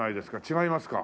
違いますか。